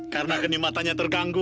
karena kini matanya terganggu